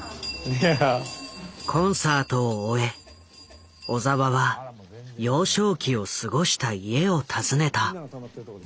コンサートを終え小澤は幼少期を過ごした家を訪ねた。